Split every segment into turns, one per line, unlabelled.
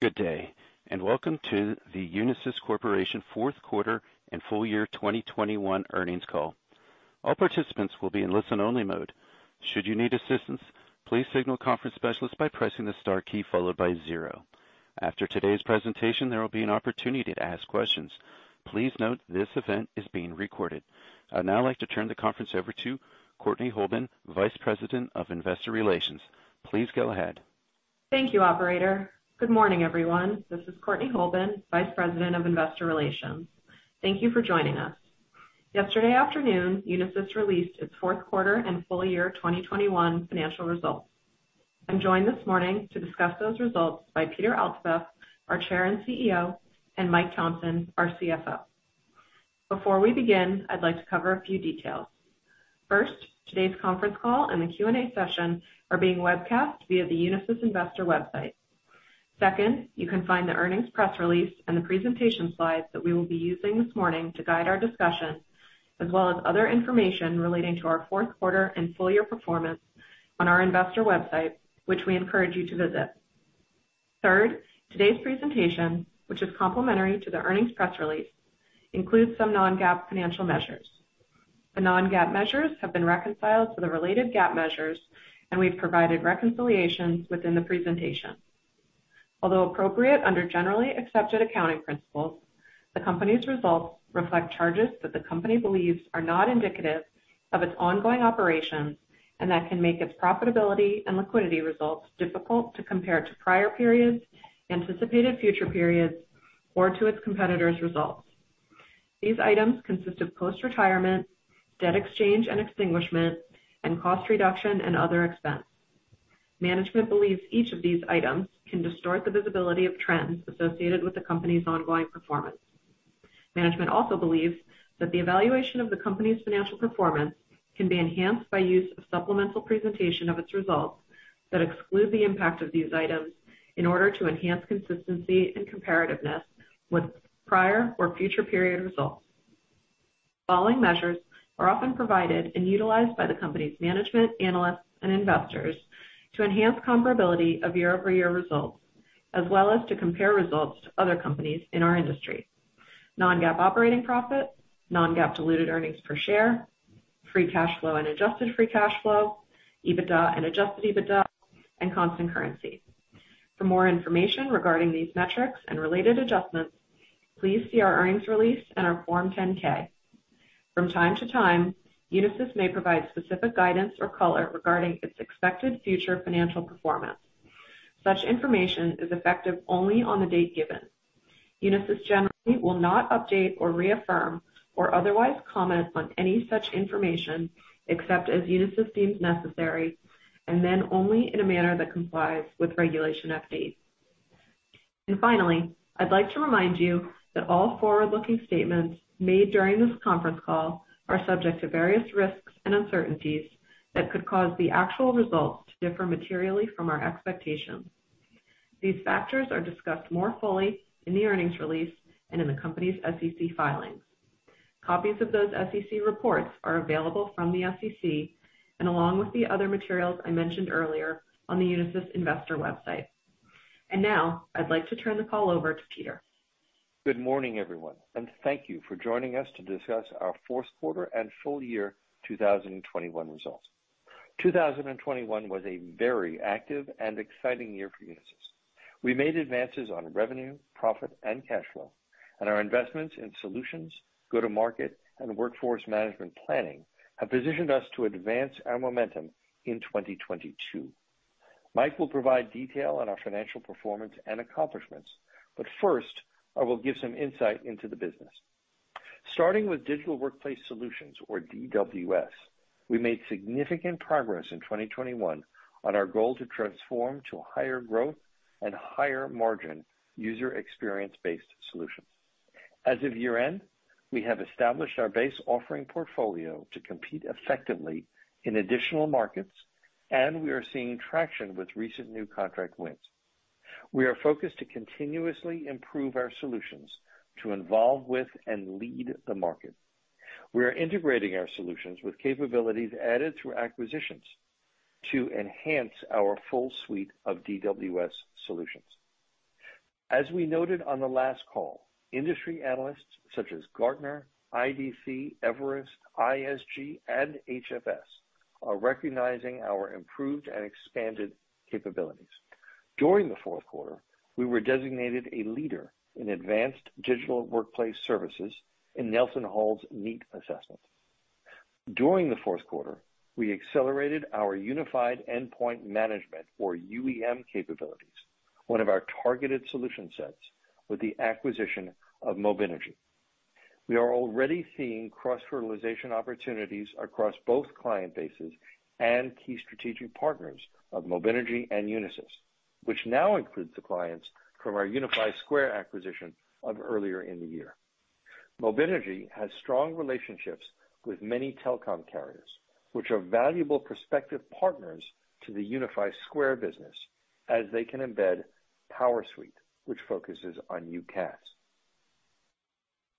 Good day, and welcome to the Unisys Corporation Fourth Quarter and Full Year 2021 Earnings Call. All participants will be in listen-only mode. Should you need assistance, please signal conference specialist by pressing the star key followed by zero. After today's presentation, there will be an opportunity to ask questions. Please note this event is being recorded. I'd now like to turn the conference over to Courtney Holben, Vice President of Investor Relations. Please go ahead.
Thank you, operator. Good morning, everyone. This is Courtney Holben, Vice President of Investor Relations. Thank you for joining us. Yesterday afternoon, Unisys released its fourth quarter and full year 2021 financial results. I'm joined this morning to discuss those results by Peter Altabef, our Chair and CEO, and Mike Thomson, our CFO. Before we begin, I'd like to cover a few details. First, today's conference call and the Q&A session are being webcast via the Unisys investor website. Second, you can find the earnings press release and the presentation slides that we will be using this morning to guide our discussion, as well as other information relating to our fourth quarter and full year performance on our investor website, which we encourage you to visit. Third, today's presentation, which is complementary to the earnings press release, includes some non-GAAP financial measures. The non-GAAP measures have been reconciled to the related GAAP measures, and we've provided reconciliations within the presentation. Although appropriate under generally accepted accounting principles, the company's results reflect charges that the company believes are not indicative of its ongoing operations and that can make its profitability and liquidity results difficult to compare to prior periods, anticipated future periods, or to its competitors' results. These items consist of post-retirement, debt exchange and extinguishment, and cost reduction and other expense. Management believes each of these items can distort the visibility of trends associated with the company's ongoing performance. Management also believes that the evaluation of the company's financial performance can be enhanced by use of supplemental presentation of its results that exclude the impact of these items in order to enhance consistency and comparativeness with prior or future period results. Following measures are often provided and utilized by the company's management, analysts, and investors to enhance comparability of year-over-year results, as well as to compare results to other companies in our industry. Non-GAAP operating profit, non-GAAP diluted earnings per share, free cash flow and adjusted free cash flow, EBITDA and adjusted EBITDA, and constant currency. For more information regarding these metrics and related adjustments, please see our earnings release and our Form 10-K. From time to time, Unisys may provide specific guidance or color regarding its expected future financial performance. Such information is effective only on the date given. Unisys generally will not update or reaffirm or otherwise comment on any such information except as Unisys deems necessary, and then only in a manner that complies with Regulation FD. Finally, I'd like to remind you that all forward-looking statements made during this conference call are subject to various risks and uncertainties that could cause the actual results to differ materially from our expectations. These factors are discussed more fully in the earnings release and in the company's SEC filings. Copies of those SEC reports are available from the SEC and along with the other materials I mentioned earlier on the Unisys investor website. Now, I'd like to turn the call over to Peter.
Good morning, everyone, and thank you for joining us to discuss our fourth quarter and full year 2021 results. 2021 was a very active and exciting year for Unisys. We made advances on revenue, profit, and cash flow, and our investments in solutions, go-to-market, and workforce management planning have positioned us to advance our momentum in 2022. Mike will provide detail on our financial performance and accomplishments, but first, I will give some insight into the business. Starting with Digital Workplace Solutions or DWS, we made significant progress in 2021 on our goal to transform to higher growth and higher margin user experience-based solutions. As of year-end, we have established our base offering portfolio to compete effectively in additional markets, and we are seeing traction with recent new contract wins. We are focused to continuously improve our solutions to involve with and lead the market. We are integrating our solutions with capabilities added through acquisitions to enhance our full suite of DWS solutions. As we noted on the last call, industry analysts such as Gartner, IDC, Everest, ISG, and HFS are recognizing our improved and expanded capabilities. During the fourth quarter, we were designated a leader in advanced digital workplace services in NelsonHall's NEAT assessment. During the fourth quarter, we accelerated our Unified Endpoint Management or UEM capabilities, one of our targeted solution sets with the acquisition of Mobinergy. We are already seeing cross-fertilization opportunities across both client bases and key strategic partners of Mobinergy and Unisys, which now includes the clients from our Unify Square acquisition of earlier in the year. Mobinergy has strong relationships with many telecom carriers, which are valuable prospective partners to the Unify Square business as they can embed PowerSuite, which focuses on UCaaS.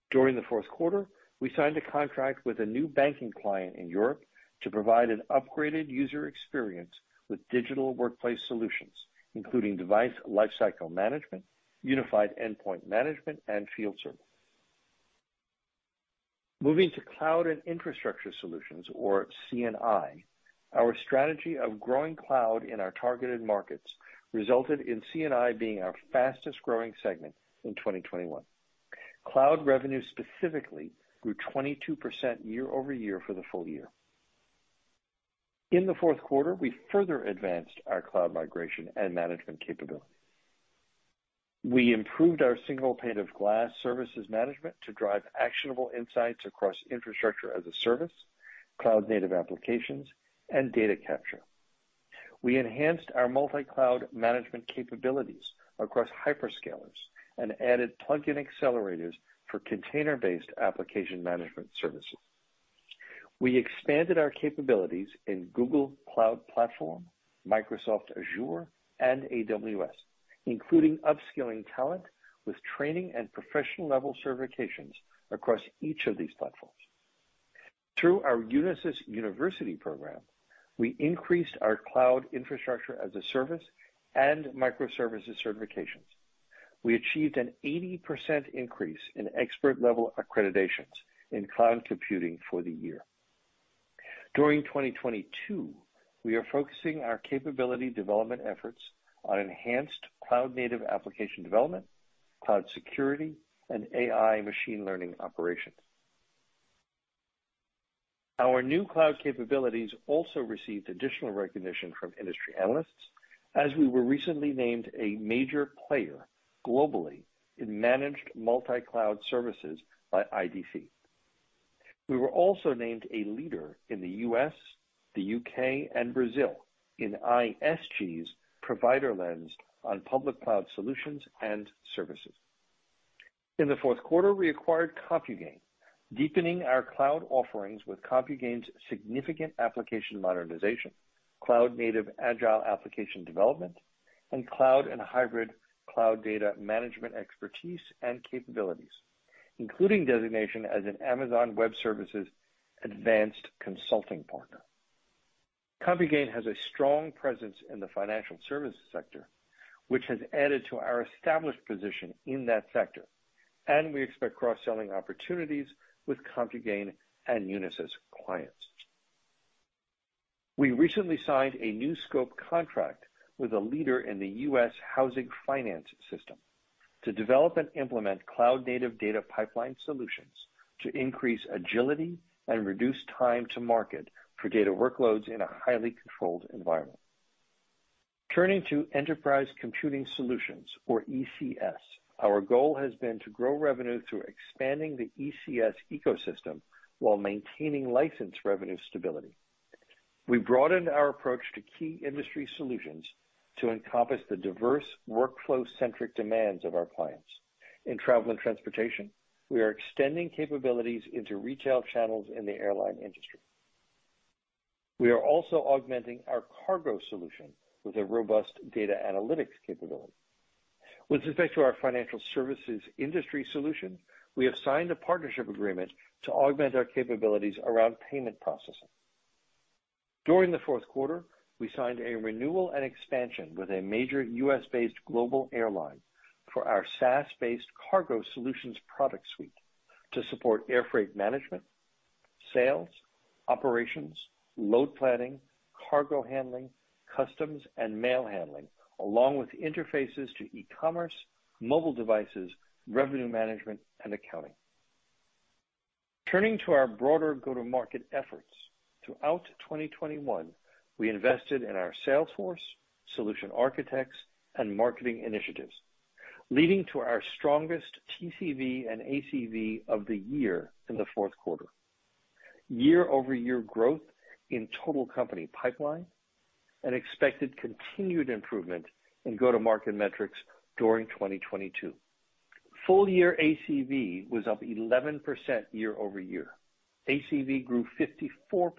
During the fourth quarter, we signed a contract with a new banking client in Europe to provide an upgraded user experience with Digital Workplace Solutions, including device lifecycle management, Unified Endpoint Management, and field service. Moving to Cloud and Infrastructure Solutions, or C&I, our strategy of growing cloud in our targeted markets resulted in C&I being our fastest-growing segment in 2021. Cloud revenue specifically grew 22% year-over-year for the full year. In the fourth quarter, we further advanced our cloud migration and management capability. We improved our single pane of glass services management to drive actionable insights across infrastructure as a service, cloud native applications, and data capture. We enhanced our multi-cloud management capabilities across hyperscalers and added plugin accelerators for container-based application management services. We expanded our capabilities in Google Cloud Platform, Microsoft Azure, and AWS, including upscaling talent with training and professional-level certifications across each of these platforms. Through our Unisys University program, we increased our cloud infrastructure as a service and microservices certifications. We achieved an 80% increase in expert-level accreditations in cloud computing for the year. During 2022, we are focusing our capability development efforts on enhanced cloud-native application development, cloud security, and AI machine learning operations. Our new cloud capabilities also received additional recognition from industry analysts as we were recently named a major player globally in managed multi-cloud services by IDC. We were also named a leader in the U.S., the U.K., and Brazil in ISG's Provider Lens on public cloud solutions and services. In the fourth quarter, we acquired CompuGain, deepening our cloud offerings with CompuGain's significant application modernization, cloud native agile application development, and cloud and hybrid cloud data management expertise and capabilities, including designation as an Amazon Web Services advanced consulting partner. CompuGain has a strong presence in the financial services sector, which has added to our established position in that sector, and we expect cross-selling opportunities with CompuGain and Unisys clients. We recently signed a new scope contract with a leader in the U.S. housing finance system to develop and implement cloud-native data pipeline solutions to increase agility and reduce time to market for data workloads in a highly controlled environment. Turning to Enterprise Computing Solutions or ECS, our goal has been to grow revenue through expanding the ECS ecosystem while maintaining license revenue stability. We broadened our approach to key industry solutions to encompass the diverse workflow-centric demands of our clients. In travel and transportation, we are extending capabilities into retail channels in the airline industry. We are also augmenting our cargo solution with a robust data analytics capability. With respect to our financial services industry solution, we have signed a partnership agreement to augment our capabilities around payment processing. During the fourth quarter, we signed a renewal and expansion with a major U.S.-based global airline for our SaaS-based cargo solutions product suite to support air freight management, sales, operations, load planning, cargo handling, customs, and mail handling, along with interfaces to e-commerce, mobile devices, revenue management, and accounting. Turning to our broader go-to-market efforts. Throughout 2021, we invested in our sales force, solution architects, and marketing initiatives, leading to our strongest TCV and ACV of the year in the fourth quarter. Year-over-year growth in total company pipeline and expected continued improvement in go-to-market metrics during 2022. Full-year ACV was up 11% year-over-year. ACV grew 54%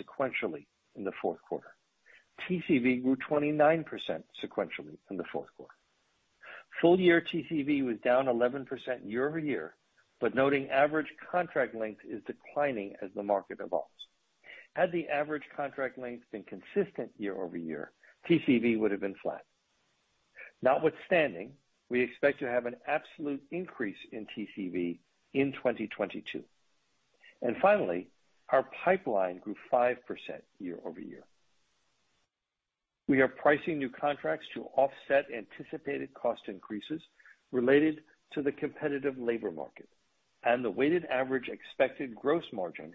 sequentially in the fourth quarter. TCV grew 29% sequentially in the fourth quarter. Full-year TCV was down 11% year-over-year, but noting average contract length is declining as the market evolves. Had the average contract length been consistent year-over-year, TCV would have been flat. Notwithstanding, we expect to have an absolute increase in TCV in 2022. Finally, our pipeline grew 5% year-over-year. We are pricing new contracts to offset anticipated cost increases related to the competitive labor market, and the weighted average expected gross margin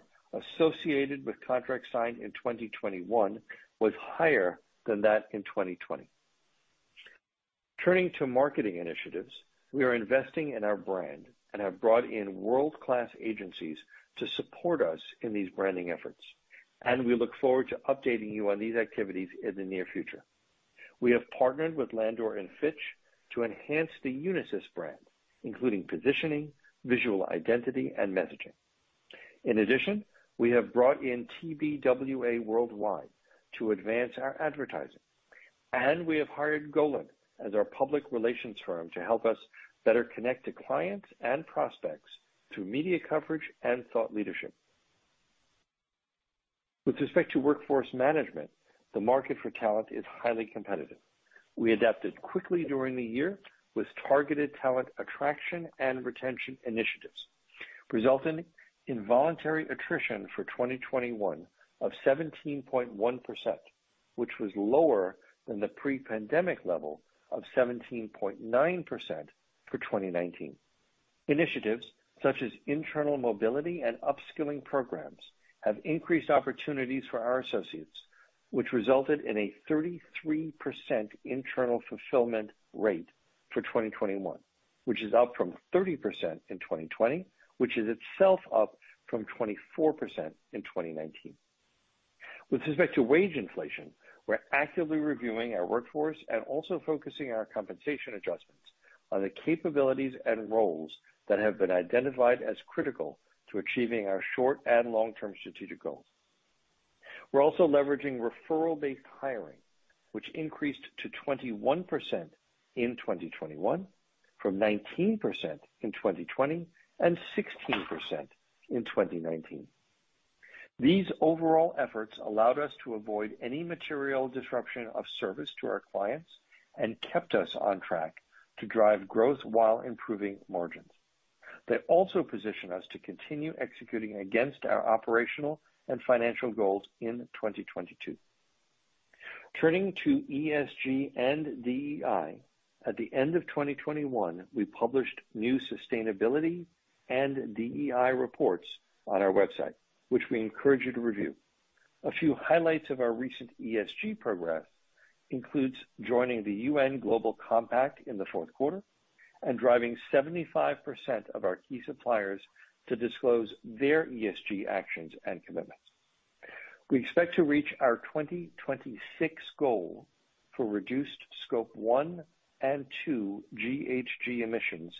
associated with contracts signed in 2021 was higher than that in 2020. Turning to marketing initiatives, we are investing in our brand and have brought in world-class agencies to support us in these branding efforts, and we look forward to updating you on these activities in the near future. We have partnered with Landor & Fitch to enhance the Unisys brand, including positioning, visual identity, and messaging. In addition, we have brought in TBWA Worldwide to advance our advertising, and we have hired Golin as our public relations firm to help us better connect to clients and prospects through media coverage and thought leadership. With respect to workforce management, the market for talent is highly competitive. We adapted quickly during the year with targeted talent attraction and retention initiatives, resulting in voluntary attrition for 2021 of 17.1%, which was lower than the pre-pandemic level of 17.9% for 2019. Initiatives such as internal mobility and upskilling programs have increased opportunities for our associates, which resulted in a 33% internal fulfillment rate for 2021, which is up from 30% in 2020, which is itself up from 24% in 2019. With respect to wage inflation, we're actively reviewing our workforce and also focusing our compensation adjustments on the capabilities and roles that have been identified as critical to achieving our short and long-term strategic goals. We're also leveraging referral-based hiring, which increased to 21% in 2021, from 19% in 2020, and 16% in 2019. These overall efforts allowed us to avoid any material disruption of service to our clients and kept us on track to drive growth while improving margins. They also position us to continue executing against our operational and financial goals in 2022. Turning to ESG and DEI. At the end of 2021, we published new sustainability and DEI reports on our website, which we encourage you to review. A few highlights of our recent ESG progress includes joining the UN Global Compact in the fourth quarter and driving 75% of our key suppliers to disclose their ESG actions and commitments. We expect to reach our 2026 goal for reduced scope one and two GHG emissions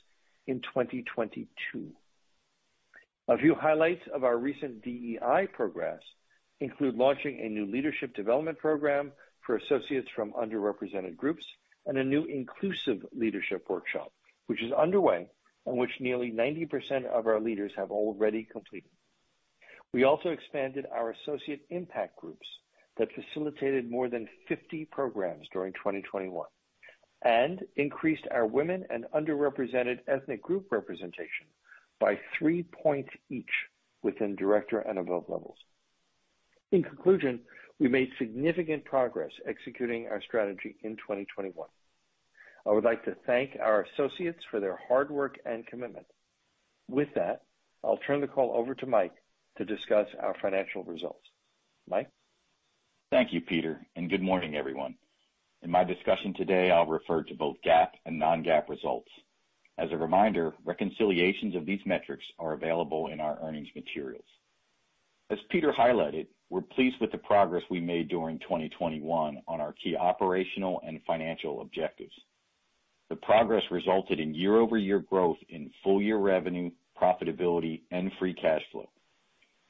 in 2022. A few highlights of our recent DEI progress include launching a new leadership development program for associates from underrepresented groups and a new inclusive leadership workshop, which is underway and which nearly 90% of our leaders have already completed. We also expanded our associate impact groups that facilitated more than 50 programs during 2021, and increased our women and underrepresented ethnic group representation by 3 points each within director and above levels. In conclusion, we made significant progress executing our strategy in 2021. I would like to thank our associates for their hard work and commitment. With that, I'll turn the call over to Mike to discuss our financial results. Mike?
Thank you, Peter, and good morning, everyone. In my discussion today, I'll refer to both GAAP and non-GAAP results. As a reminder, reconciliations of these metrics are available in our earnings materials. As Peter highlighted, we're pleased with the progress we made during 2021 on our key operational and financial objectives. The progress resulted in year-over-year growth in full-year revenue, profitability, and free cash flow.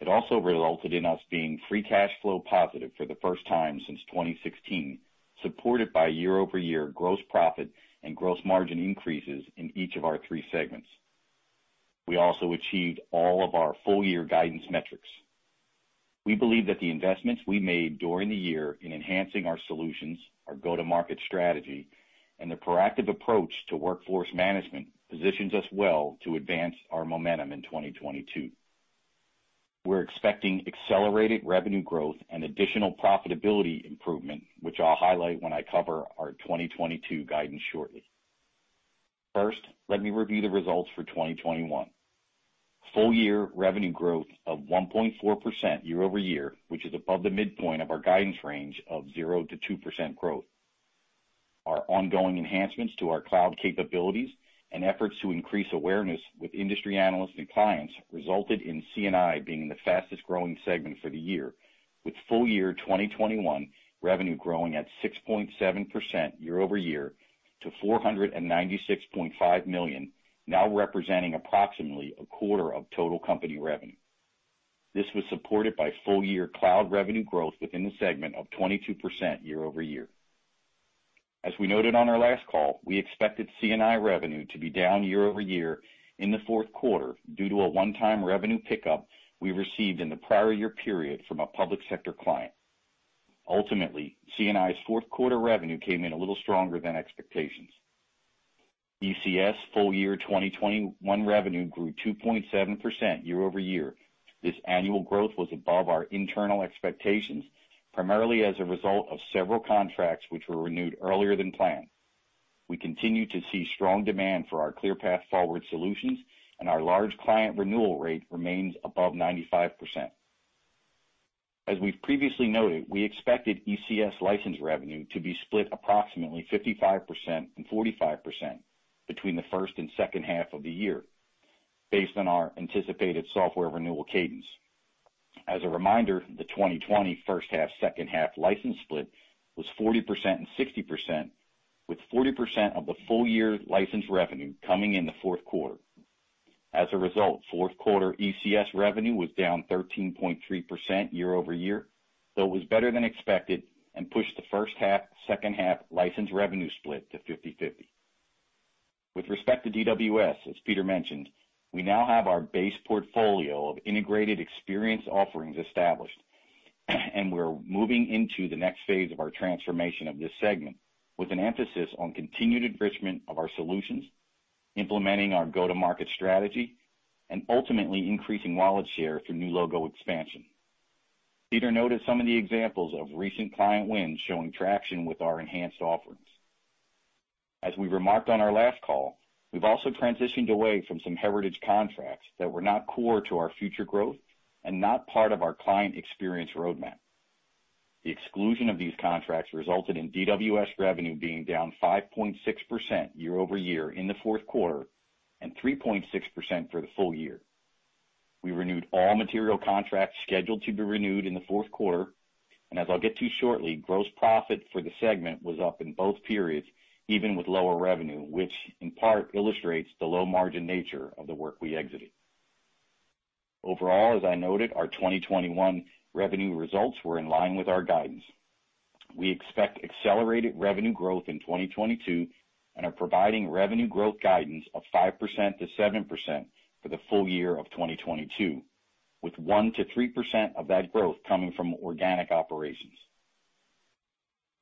It also resulted in us being free cash flow positive for the first time since 2016, supported by year-over-year gross profit and gross margin increases in each of our three segments. We also achieved all of our full-year guidance metrics. We believe that the investments we made during the year in enhancing our solutions, our go-to-market strategy, and the proactive approach to workforce management positions us well to advance our momentum in 2022. We're expecting accelerated revenue growth and additional profitability improvement, which I'll highlight when I cover our 2022 guidance shortly. First, let me review the results for 2021. Full-year revenue growth of 1.4% year-over-year, which is above the midpoint of our guidance range of 0%-2% growth. Our ongoing enhancements to our cloud capabilities and efforts to increase awareness with industry analysts and clients resulted in C&I being the fastest-growing segment for the year, with full-year 2021 revenue growing at 6.7% year-over-year to $496.5 million, now representing approximately a quarter of total company revenue. This was supported by full-year cloud revenue growth within the segment of 22% year-over-year. As we noted on our last call, we expected C&I revenue to be down year-over-year in the fourth quarter due to a one-time revenue pickup we received in the prior year period from a public sector client. Ultimately, C&I's fourth quarter revenue came in a little stronger than expectations. ECS full-year 2021 revenue grew 2.7% year-over-year. This annual growth was above our internal expectations, primarily as a result of several contracts which were renewed earlier than planned. We continue to see strong demand for our ClearPath Forward Solutions, and our large client renewal rate remains above 95%. As we've previously noted, we expected ECS license revenue to be split approximately 55% and 45% between the first and second half of the year based on our anticipated software renewal cadence. As a reminder, the 2021 first half, second half license split was 40% and 60%, with 40% of the full year license revenue coming in the fourth quarter. As a result, fourth quarter ECS revenue was down 13.3% year-over-year, though it was better than expected and pushed the first half, second half license revenue split to 50/50. With respect to DWS, as Peter mentioned, we now have our base portfolio of integrated experience offerings established, and we're moving into the next phase of our transformation of this segment with an emphasis on continued enrichment of our solutions, implementing our go-to-market strategy, and ultimately increasing wallet share through new logo expansion. Peter noted some of the examples of recent client wins showing traction with our enhanced offerings. As we remarked on our last call, we've also transitioned away from some heritage contracts that were not core to our future growth and not part of our client experience roadmap. The exclusion of these contracts resulted in DWS revenue being down 5.6% year-over-year in the fourth quarter, and 3.6% for the full year. We renewed all material contracts scheduled to be renewed in the fourth quarter, and as I'll get to shortly, gross profit for the segment was up in both periods, even with lower revenue, which in part illustrates the low margin nature of the work we exited. Overall, as I noted, our 2021 revenue results were in line with our guidance. We expect accelerated revenue growth in 2022, and are providing revenue growth guidance of 5%-7% for the full year of 2022, with 1%-3% of that growth coming from organic operations.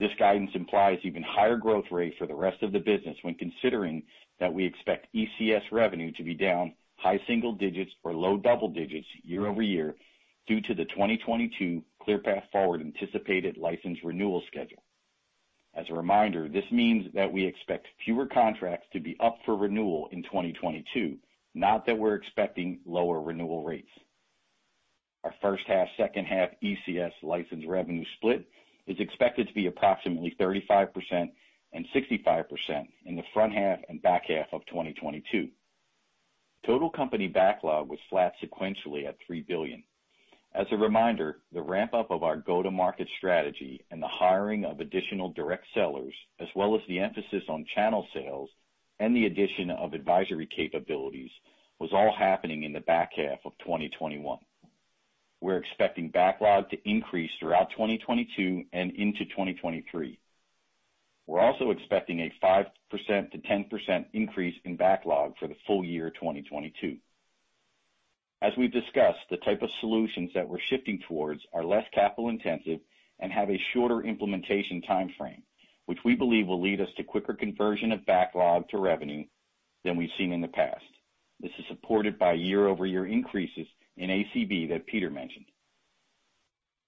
This guidance implies even higher growth rate for the rest of the business when considering that we expect ECS revenue to be down high single digits or low double digits year-over-year due to the 2022 ClearPath Forward anticipated license renewal schedule. As a reminder, this means that we expect fewer contracts to be up for renewal in 2022, not that we're expecting lower renewal rates. Our first half, second half ECS license revenue split is expected to be approximately 35% and 65% in the front half and back half of 2022. Total company backlog was flat sequentially at $3 billion. As a reminder, the ramp-up of our go-to-market strategy and the hiring of additional direct sellers, as well as the emphasis on channel sales and the addition of advisory capabilities, was all happening in the back half of 2021. We're expecting backlog to increase throughout 2022 and into 2023. We're also expecting a 5%-10% increase in backlog for the full year 2022. As we've discussed, the type of solutions that we're shifting towards are less capital-intensive and have a shorter implementation timeframe, which we believe will lead us to quicker conversion of backlog to revenue than we've seen in the past. This is supported by year-over-year increases in ACV that Peter mentioned.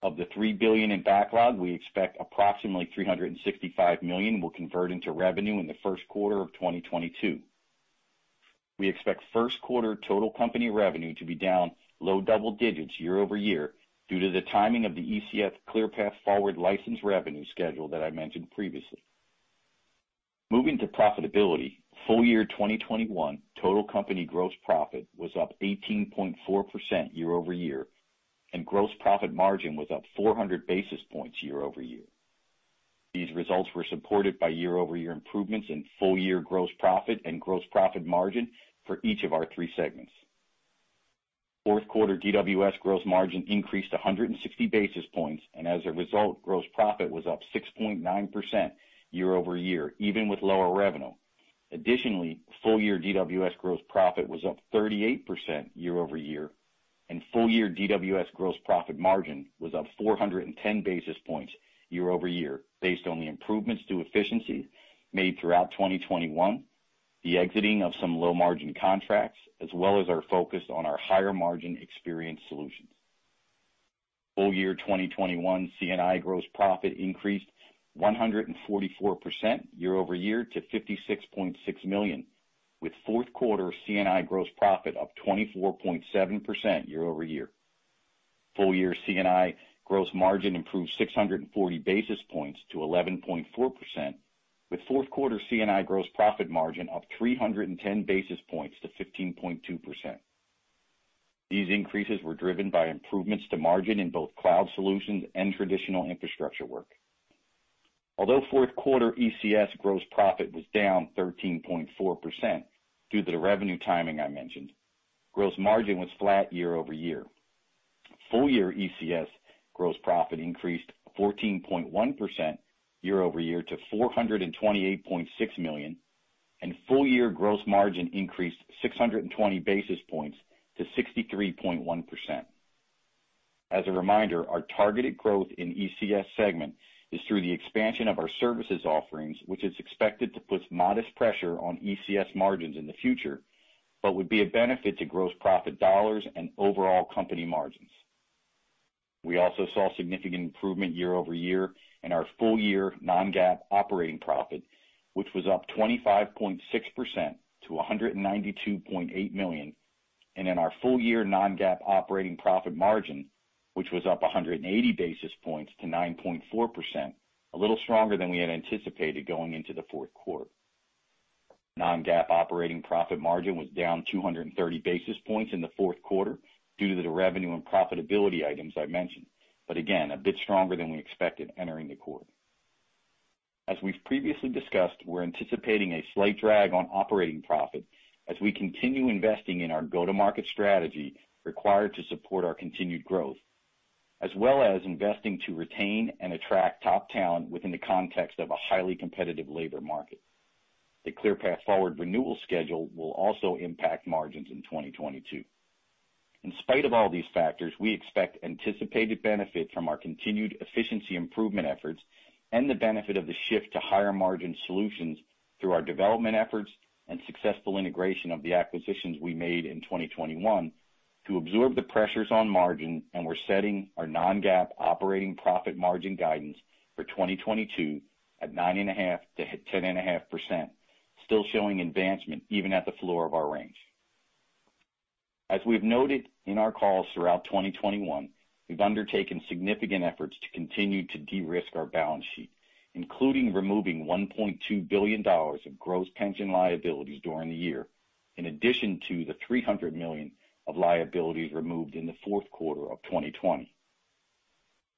Of the $3 billion in backlog, we expect approximately $365 million will convert into revenue in the first quarter of 2022. We expect first quarter total company revenue to be down low double digits year-over-year due to the timing of the ECS ClearPath Forward license revenue schedule that I mentioned previously. Moving to profitability, full year 2021 total company gross profit was up 18.4% year-over-year, and gross profit margin was up 400 basis points year-over-year. These results were supported by year-over-year improvements in full year gross profit and gross profit margin for each of our three segments. Fourth quarter DWS gross margin increased 160 basis points, and as a result, gross profit was up 6.9% year-over-year, even with lower revenue. Additionally, full year DWS gross profit was up 38% year-over-year, and full year DWS gross profit margin was up 410 basis points year-over-year, based on the improvements to efficiency made throughout 2021, the exiting of some low margin contracts, as well as our focus on our higher margin experience solutions. Full year 2021 C&I gross profit increased 144% year-over-year to $56.6 million, with fourth quarter C&I gross profit up 24.7% year-over-year. Full-year C&I gross margin improved 640 basis points to 11.4%, with fourth-quarter C&I gross profit margin up 310 basis points to 15.2%. These increases were driven by improvements to margin in both cloud solutions and traditional infrastructure work. Although fourth-quarter ECS gross profit was down 13.4% due to the revenue timing I mentioned, gross margin was flat year-over-year. Full-year ECS gross profit increased 14.1% year-over-year to $428.6 million, and full-year gross margin increased 620 basis points to 63.1%. As a reminder, our targeted growth in ECS segment is through the expansion of our services offerings, which is expected to put modest pressure on ECS margins in the future, but would be a benefit to gross profit dollars and overall company margins. We also saw significant improvement year-over-year in our full year non-GAAP operating profit, which was up 25.6% to $192.8 million, and in our full year non-GAAP operating profit margin, which was up 180 basis points to 9.4%, a little stronger than we had anticipated going into the fourth quarter. Non-GAAP operating profit margin was down 230 basis points in the fourth quarter due to the revenue and profitability items I mentioned, but again, a bit stronger than we expected entering the quarter. As we've previously discussed, we're anticipating a slight drag on operating profit as we continue investing in our go-to-market strategy required to support our continued growth, as well as investing to retain and attract top talent within the context of a highly competitive labor market. The ClearPath Forward renewal schedule will also impact margins in 2022. In spite of all these factors, we expect anticipated benefit from our continued efficiency improvement efforts and the benefit of the shift to higher-margin solutions through our development efforts and successful integration of the acquisitions we made in 2021 to absorb the pressures on margin, and we're setting our non-GAAP operating profit margin guidance for 2022 at 9.5%-10.5%, still showing advancement even at the floor of our range. As we've noted in our calls throughout 2021, we've undertaken significant efforts to continue to de-risk our balance sheet, including removing $1.2 billion of gross pension liabilities during the year, in addition to the $300 million of liabilities removed in the fourth quarter of 2020.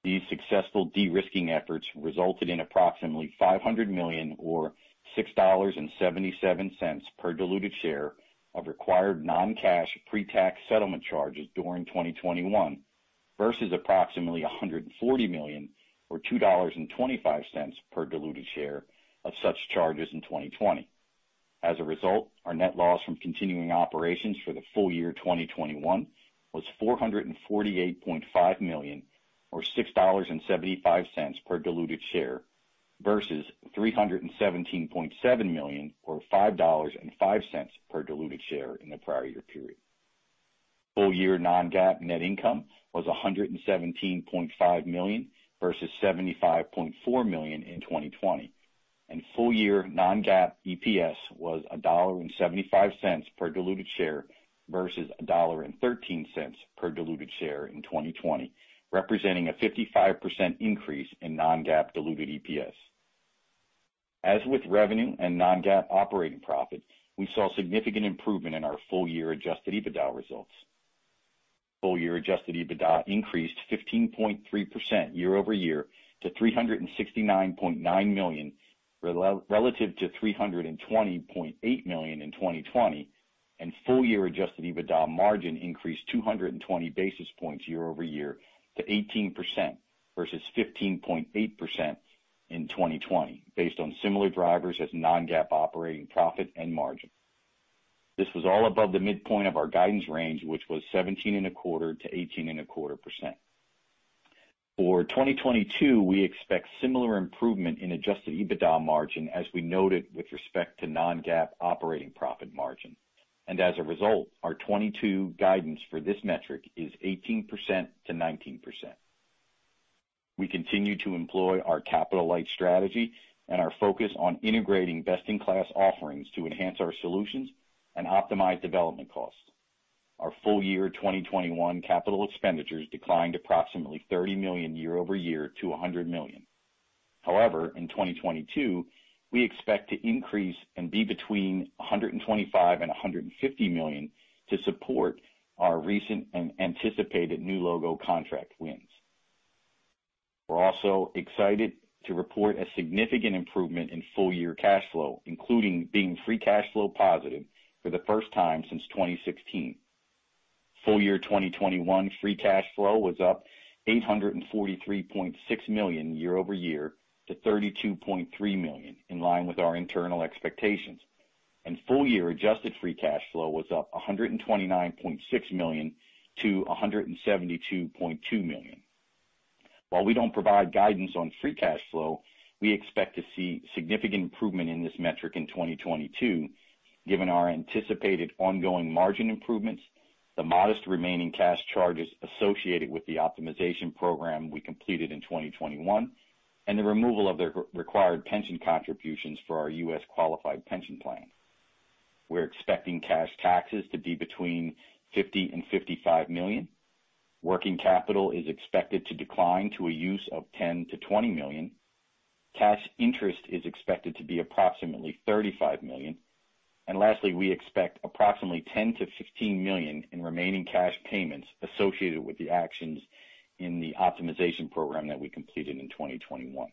These successful de-risking efforts resulted in approximately $500 million or $6.77 per diluted share of required non-cash pre-tax settlement charges during 2021 versus approximately $140 million or $2.25 per diluted share of such charges in 2020. As a result, our net loss from continuing operations for the full year 2021 was $448.5 million or $6.75 per diluted share versus $317.7 million or $5.05 per diluted share in the prior year period. Full year non-GAAP net income was $117.5 million versus $75.4 million in 2020, and full year non-GAAP EPS was $1.75 per diluted share versus $1.13 per diluted share in 2020, representing a 55% increase in non-GAAP diluted EPS. As with revenue and non-GAAP operating profit, we saw significant improvement in our full year adjusted EBITDA results. Full year adjusted EBITDA increased 15.3% year-over-year to $369.9 million relative to $320.8 million in 2020, and full year adjusted EBITDA margin increased 220 basis points year-over-year to 18% versus 15.8% in 2020 based on similar drivers as non-GAAP operating profit and margin. This was all above the midpoint of our guidance range, which was 17.25%-18.25%. For 2022, we expect similar improvement in adjusted EBITDA margin as we noted with respect to non-GAAP operating profit margin. As a result, our 2022 guidance for this metric is 18%-19%. We continue to employ our capital-light strategy and our focus on integrating best-in-class offerings to enhance our solutions and optimize development costs. Our full year 2021 capital expenditures declined approximately $30 million year-over-year to $100 million. However, in 2022, we expect to increase and be between $125 million and $150 million to support our recent and anticipated new logo contract wins. We're also excited to report a significant improvement in full year cash flow, including being free cash flow positive for the first time since 2016. Full year 2021 free cash flow was up $843.6 million year-over-year to $32.3 million, in line with our internal expectations. Full year adjusted free cash flow was up $129.6 million to $172.2 million. While we don't provide guidance on free cash flow, we expect to see significant improvement in this metric in 2022, given our anticipated ongoing margin improvements, the modest remaining cash charges associated with the optimization program we completed in 2021, and the removal of the required pension contributions for our U.S. qualified pension plan. We're expecting cash taxes to be between $50 million-$55 million. Working capital is expected to decline to a use of $10 million-$20 million. Cash interest is expected to be approximately $35 million. Lastly, we expect approximately $10 million-$15 million in remaining cash payments associated with the actions in the optimization program that we completed in 2021.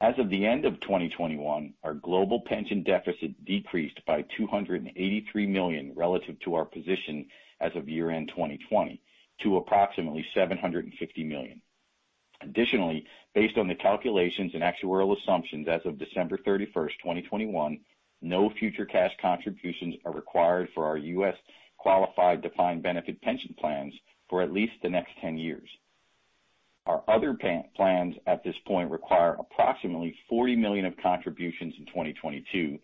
As of the end of 2021, our global pension deficit decreased by $283 million relative to our position as of year-end 2020 to approximately $750 million. Additionally, based on the calculations and actuarial assumptions as of December 31, 2021, no future cash contributions are required for our U.S. qualified defined benefit pension plans for at least the next 10 years. Our other pension plans at this point require approximately $40 million of contributions in 2022,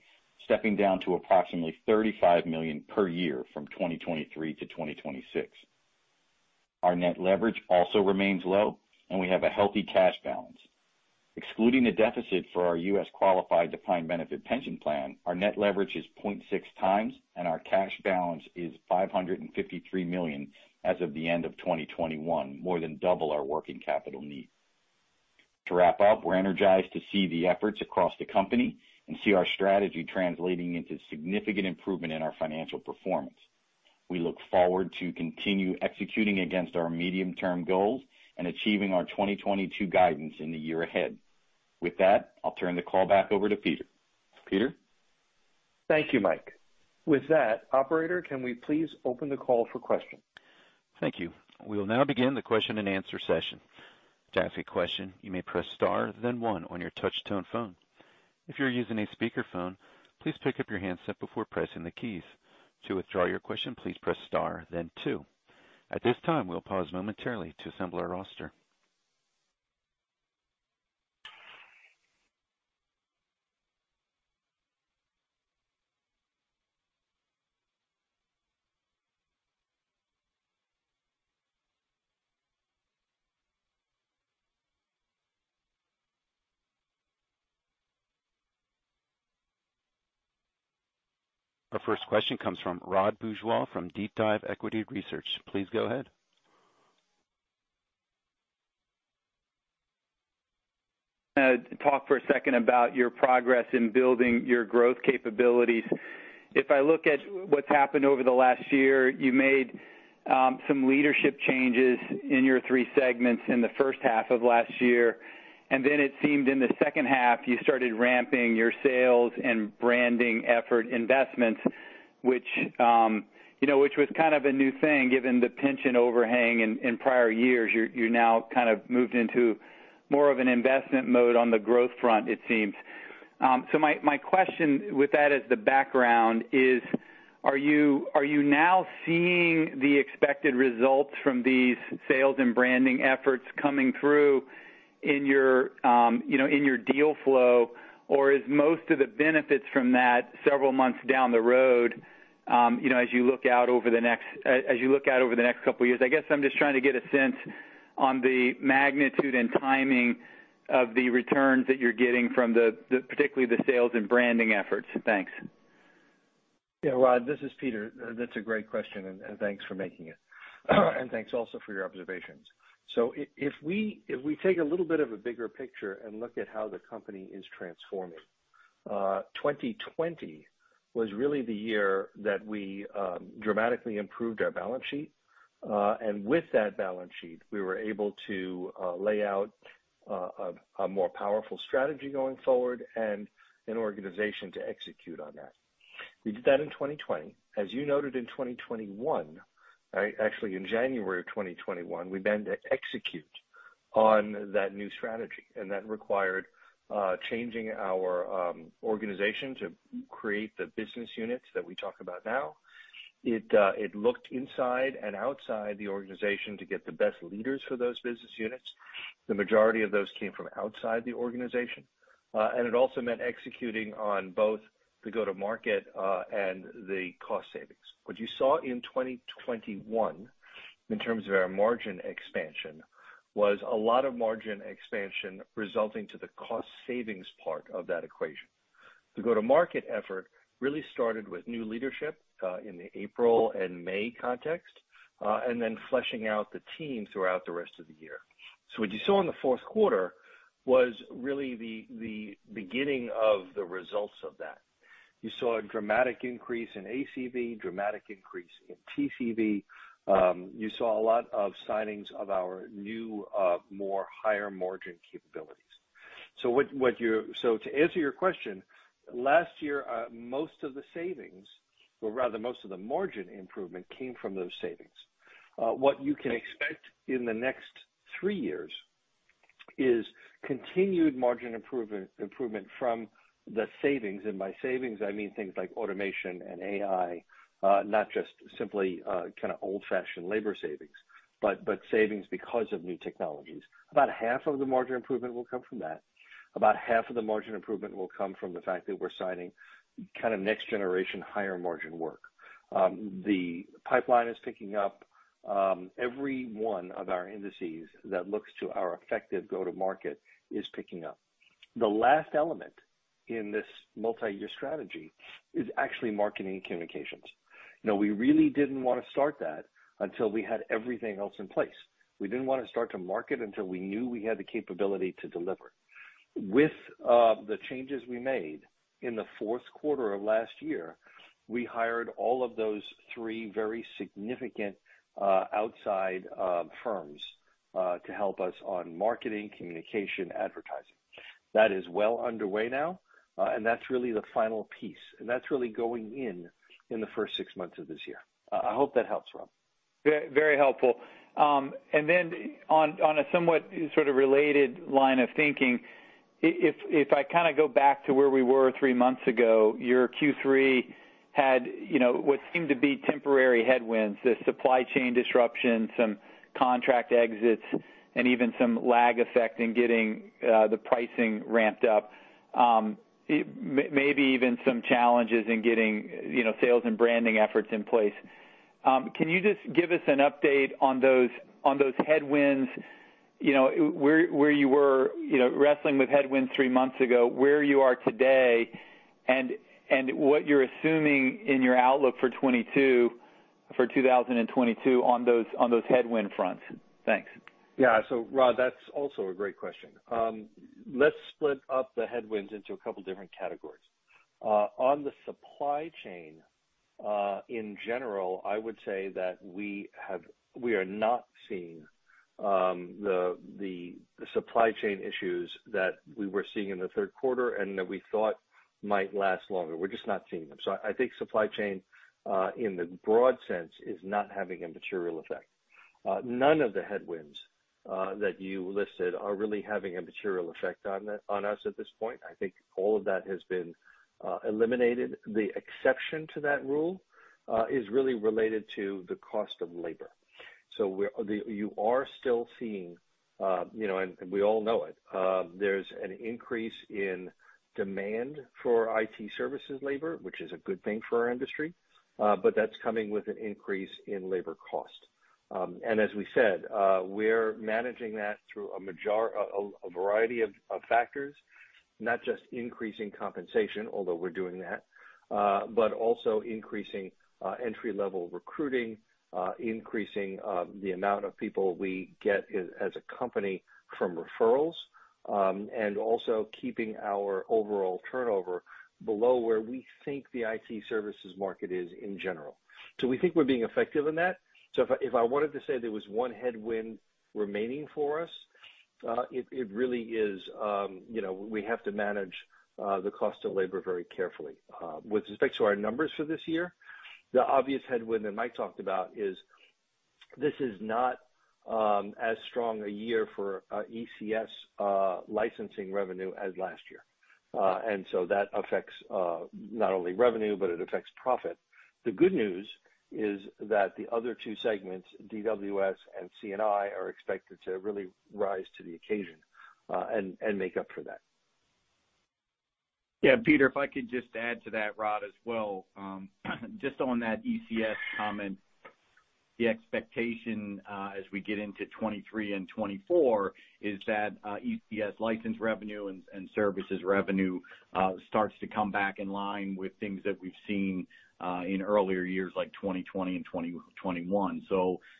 stepping down to approximately $35 million per year from 2023 to 2026. Our net leverage also remains low, and we have a healthy cash balance. Excluding the deficit for our U.S. qualified defined benefit pension plan, our net leverage is 0.6x, and our cash balance is $553 million as of the end of 2021, more than double our working capital need. To wrap up, we're energized to see the efforts across the company and see our strategy translating into significant improvement in our financial performance. We look forward to continue executing against our medium-term goals and achieving our 2022 guidance in the year ahead. With that, I'll turn the call back over to Peter. Peter?
Thank you, Mike. With that, operator, can we please open the call for questions?
Thank you. We will now begin the Q&A session. To ask a question, you may press star, then one on your touchtone phone. If you're using a speakerphone, please pick up your handset before pressing the keys. To withdraw your question, please press star then two. At this time, we'll pause momentarily to assemble our roster. Our first question comes from Rod Bourgeois from DeepDive Equity Research. Please go ahead.
Talk for a second about your progress in building your growth capabilities. If I look at what's happened over the last year, you made some leadership changes in your three segments in the first half of last year, and then it seemed in the second half you started ramping your sales and branding effort investments, which, you know, which was kind of a new thing given the pension overhang in prior years. You're now kind of moved into more of an investment mode on the growth front, it seems. My question with that as the background is, are you now seeing the expected results from these sales and branding efforts coming through in your, you know, in your deal flow? Is most of the benefits from that several months down the road, you know, as you look out over the next couple of years? I guess I'm just trying to get a sense on the magnitude and timing of the returns that you're getting from the particularly the sales and branding efforts. Thanks.
Yeah, Rod, this is Peter. That's a great question, and thanks for making it. Thanks also for your observations. If we take a little bit of a bigger picture and look at how the company is transforming, 2020 was really the year that we dramatically improved our balance sheet. With that balance sheet, we were able to lay out a more powerful strategy going forward and an organization to execute on that. We did that in 2020. As you noted in 2021, right? Actually, in January of 2021, we began to execute on that new strategy, and that required changing our organization to create the business units that we talk about now. It looked inside and outside the organization to get the best leaders for those business units. The majority of those came from outside the organization, and it also meant executing on both the go-to-market and the cost savings. What you saw in 2021, in terms of our margin expansion, was a lot of margin expansion resulting to the cost savings part of that equation. The go-to-market effort really started with new leadership in the April and May context, and then fleshing out the team throughout the rest of the year. What you saw in the fourth quarter was really the beginning of the results of that. You saw a dramatic increase in ACV, dramatic increase in TCV. You saw a lot of signings of our new more higher margin capabilities. To answer your question, last year most of the savings, or rather most of the margin improvement, came from those savings. What you can expect in the next three years is continued margin improvement from the savings. By savings, I mean things like automation and AI, not just simply kinda old-fashioned labor savings, but savings because of new technologies. About half of the margin improvement will come from that. About half of the margin improvement will come from the fact that we're signing kinda next generation higher margin work. The pipeline is picking up. Every one of our indices that looks to our effective go-to-market is picking up. The last element in this multi-year strategy is actually marketing communications. Now, we really didn't wanna start that until we had everything else in place. We didn't wanna start to market until we knew we had the capability to deliver. With the changes we made in the fourth quarter of last year, we hired all of those three very significant outside firms to help us on marketing, communication, advertising. That is well underway now, and that's really the final piece. That's really going in the first six months of this year. I hope that helps, Rod.
Very helpful. On a somewhat sort of related line of thinking, if I kinda go back to where we were three months ago, your Q3 had, you know, what seemed to be temporary headwinds, the supply chain disruption, some contract exits, and even some lag effect in getting the pricing ramped up. Maybe even some challenges in getting, you know, sales and branding efforts in place. Can you just give us an update on those headwinds, you know, where you were, you know, wrestling with headwinds three months ago, where you are today, and what you're assuming in your outlook for 2022? For 2022 on those headwind fronts. Thanks.
Rod, that's also a great question. Let's split up the headwinds into a couple different categories. On the supply chain, in general, I would say that we are not seeing the supply chain issues that we were seeing in the third quarter and that we thought might last longer. We're just not seeing them. I think supply chain, in the broad sense, is not having a material effect. None of the headwinds that you listed are really having a material effect on us at this point. I think all of that has been eliminated. The exception to that rule is really related to the cost of labor. You are still seeing, you know, we all know it, there's an increase in demand for IT services labor, which is a good thing for our industry, but that's coming with an increase in labor cost. As we said, we're managing that through a variety of factors, not just increasing compensation, although we're doing that, but also increasing entry-level recruiting, increasing the amount of people we get as a company from referrals, and also keeping our overall turnover below where we think the IT services market is in general. Do we think we're being effective in that? If I wanted to say there was one headwind remaining for us, it really is, you know, we have to manage the cost of labor very carefully. With respect to our numbers for this year, the obvious headwind that Mike talked about is not as strong a year for ECS licensing revenue as last year. That affects not only revenue, but it affects profit. The good news is that the other two segments, DWS and C&I, are expected to really rise to the occasion and make up for that.
Yeah. Peter, if I could just add to that, Rod, as well. Just on that ECS comment, the expectation as we get into 2023 and 2024 is that ECS license revenue and services revenue starts to come back in line with things that we've seen in earlier years, like 2020 and 2021.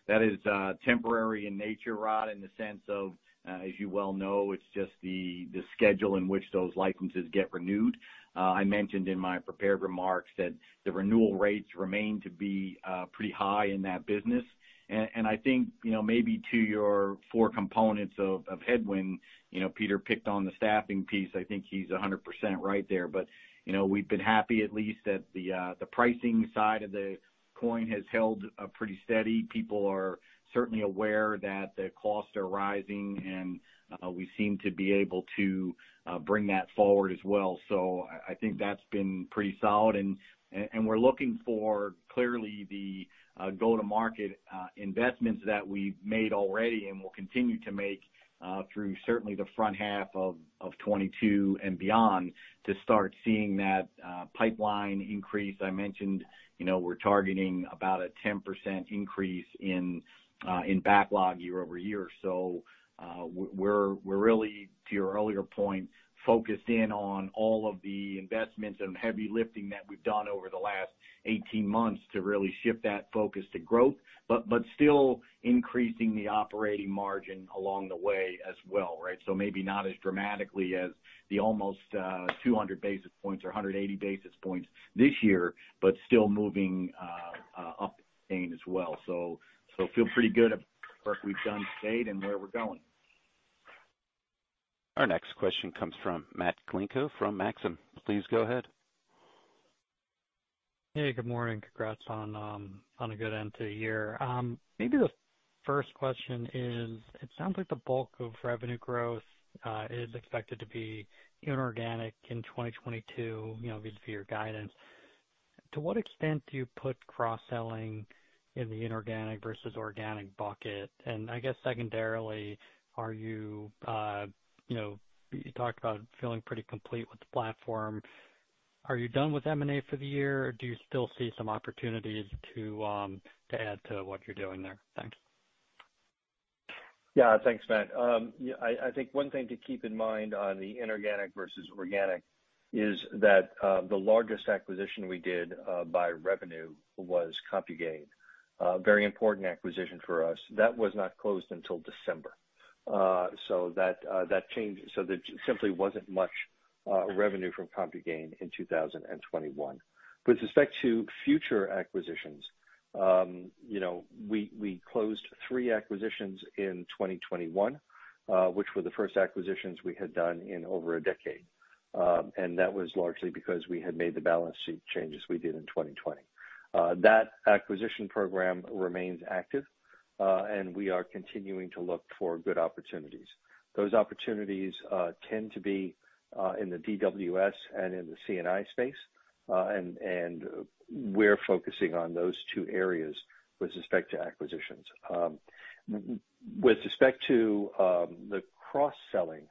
That is temporary in nature, Rod, in the sense of as you well know, it's just the schedule in which those licenses get renewed. I mentioned in my prepared remarks that the renewal rates remain to be pretty high in that business. I think, you know, maybe to your four components of headwind, you know, Peter picked on the staffing piece. I think he's 100% right there. You know, we've been happy at least that the pricing side of the coin has held pretty steady. People are certainly aware that the costs are rising, and we seem to be able to bring that forward as well. I think that's been pretty solid. we're looking for clearly the go-to-market investments that we've made already and will continue to make through certainly the front half of 2022 and beyond to start seeing that pipeline increase. I mentioned, you know, we're targeting about a 10% increase in backlog year-over-year. We're really, to your earlier point, focused in on all of the investments and heavy lifting that we've done over the last 18 months to really shift that focus to growth, but still increasing the operating margin along the way as well, right? Maybe not as dramatically as the almost 200 basis points or 180 basis points this year, but still moving up in it as well. Feel pretty good about the work we've done to date and where we're going.
Our next question comes from Matt Galinko from Maxim. Please go ahead.
Hey, good morning. Congrats on a good end to the year. Maybe the first question is, it sounds like the bulk of revenue growth is expected to be inorganic in 2022, you know, via your guidance. To what extent do you put cross-selling in the inorganic versus organic bucket? And I guess secondarily, are you know, you talked about feeling pretty complete with the platform. Are you done with M&A for the year, or do you still see some opportunities to add to what you're doing there? Thanks.
Yeah. Thanks, Matt. I think one thing to keep in mind on the inorganic versus organic is that the largest acquisition we did by revenue was CompuGain, a very important acquisition for us. That was not closed until December. So there simply wasn't much revenue from CompuGain in 2021. With respect to future acquisitions, you know, we closed three acquisitions in 2021, which were the first acquisitions we had done in over a decade. That was largely because we had made the balance sheet changes we did in 2020. That acquisition program remains active, and we are continuing to look for good opportunities. Those opportunities tend to be in the DWS and in the C&I space, and we're focusing on those two areas with respect to acquisitions. With respect to the cross-selling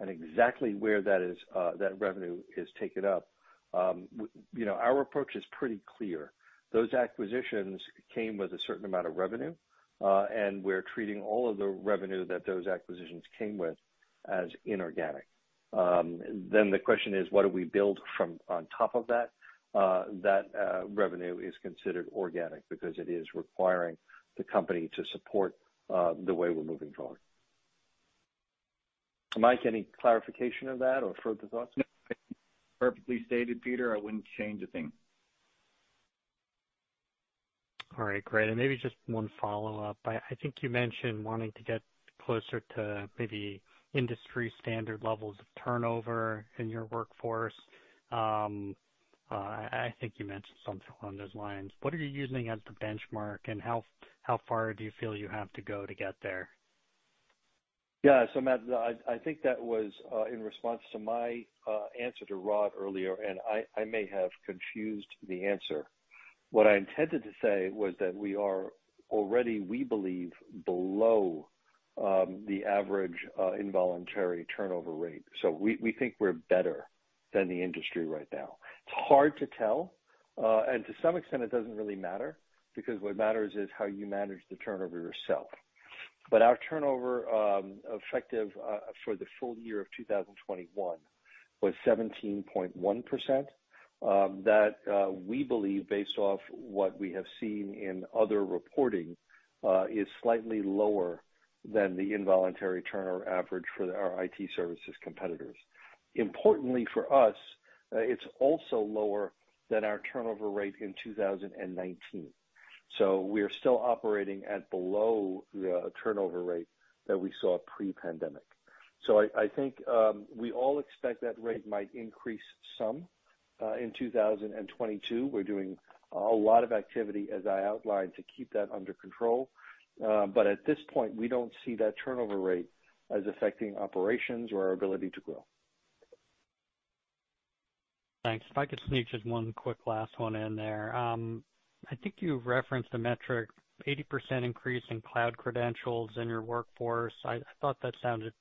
and exactly where that is, that revenue is taken up, you know, our approach is pretty clear. Those acquisitions came with a certain amount of revenue, and we're treating all of the revenue that those acquisitions came with as inorganic. The question is, what do we build from on top of that? That revenue is considered organic because it is requiring the company to support the way we're moving forward. Mike, any clarification of that or further thoughts?
No. Perfectly stated, Peter, I wouldn't change a thing.
All right, great. Maybe just one follow-up. I think you mentioned wanting to get closer to maybe industry standard levels of turnover in your workforce. I think you mentioned something along those lines. What are you using as the benchmark, and how far do you feel you have to go to get there?
Yeah. Matt, I think that was in response to my answer to Rod earlier, and I may have confused the answer. What I intended to say was that we are already, we believe, below the average involuntary turnover rate. We think we're better than the industry right now. It's hard to tell. To some extent, it doesn't really matter because what matters is how you manage the turnover yourself. Our turnover effective for the full year of 2021 was 17.1%, that we believe based off what we have seen in other reporting is slightly lower than the involuntary turnover average for our IT services competitors. Importantly for us, it's also lower than our turnover rate in 2019. We're still operating at below the turnover rate that we saw pre-pandemic. I think we all expect that rate might increase some in 2022. We're doing a lot of activity, as I outlined, to keep that under control. At this point, we don't see that turnover rate as affecting operations or our ability to grow.
Thanks. If I could sneak just one quick last one in there. I think you referenced a metric 80% increase in cloud credentials in your workforce. I thought that sounded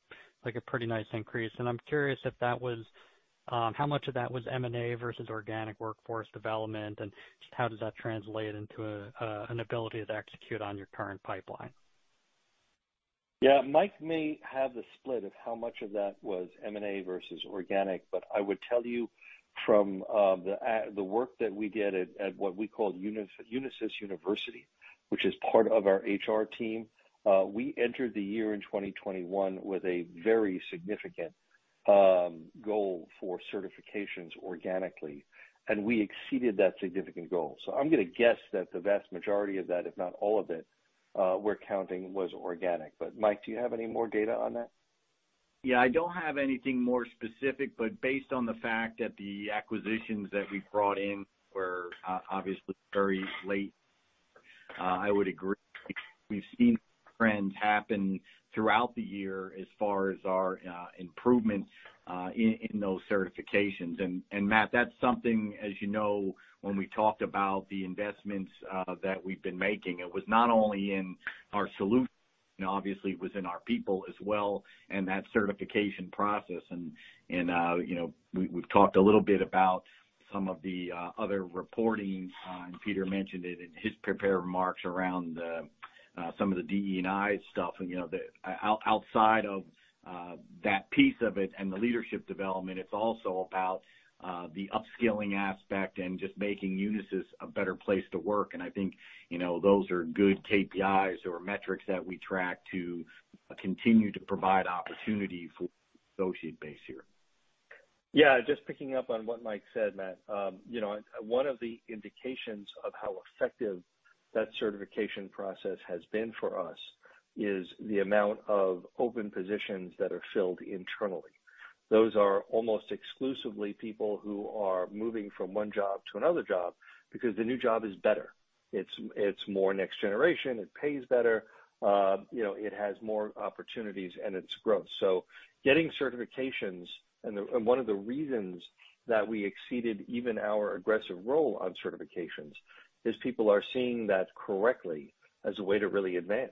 like a pretty nice increase, and I'm curious if that was how much of that was M&A versus organic workforce development, and just how does that translate into an ability to execute on your current pipeline?
Yeah. Mike may have the split of how much of that was M&A versus organic, but I would tell you from the work that we did at what we call Unisys University, which is part of our HR team, we entered the year in 2021 with a very significant goal for certifications organically, and we exceeded that significant goal. I'm gonna guess that the vast majority of that, if not all of it, we're counting was organic. Mike, do you have any more data on that?
Yeah, I don't have anything more specific, but based on the fact that the acquisitions that we brought in were obviously very late, I would agree. We've seen trends happen throughout the year as far as our improvements in those certifications. Matt, that's something, as you know, when we talked about the investments that we've been making, it was not only in our solutions, obviously it was in our people as well and that certification process. You know, we've talked a little bit about some of the other reporting, and Peter mentioned it in his prepared remarks around some of the DE&I stuff. You know, outside of that piece of it and the leadership development, it's also about the upskilling aspect and just making Unisys a better place to work. I think, you know, those are good KPIs or metrics that we track to continue to provide opportunity for associate base here.
Yeah. Just picking up on what Mike said, Matt. You know, one of the indications of how effective that certification process has been for us is the amount of open positions that are filled internally. Those are almost exclusively people who are moving from one job to another job because the new job is better. It's more next generation, it pays better, you know, it has more opportunities and it's growth. So getting certifications, and one of the reasons that we exceeded even our aggressive goal on certifications is people are seeing that correctly as a way to really advance.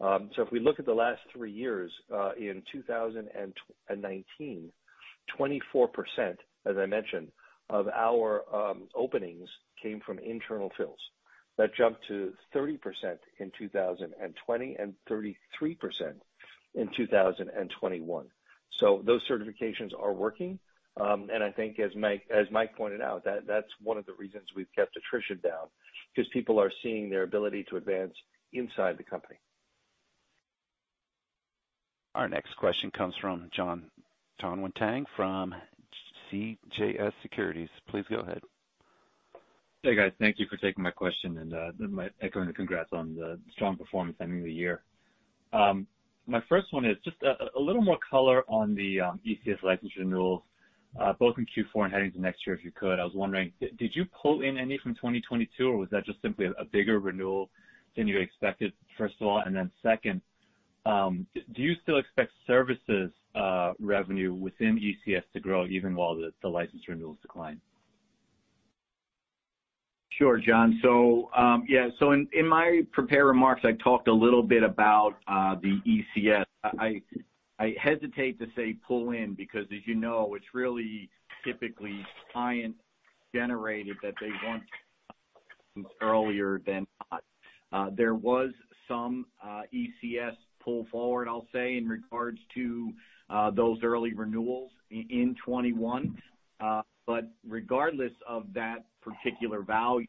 So if we look at the last three years, in 2019, 24%, as I mentioned, of our openings came from internal fills. That jumped to 30% in 2020, and 33% in 2021. Those certifications are working. I think as Mike pointed out, that's one of the reasons we've kept attrition down, because people are seeing their ability to advance inside the company.
Our next question comes from Jon Tanwanteng from CJS Securities. Please go ahead.
Hey, guys. Thank you for taking my question and my echoing congrats on the strong performance ending the year. My first one is just a little more color on the ECS license renewal both in Q4 and heading to next year, if you could. I was wondering, did you pull in any from 2022, or was that just simply a bigger renewal than you expected, first of all? Second, do you still expect services revenue within ECS to grow even while the license renewals decline?
Sure, Jon. In my prepared remarks, I talked a little bit about the ECS. I hesitate to say pull in because as you know, it's really typically client-generated that they want earlier than not. There was some ECS pull forward, I'll say, in regards to those early renewals in 2021. Regardless of that particular value,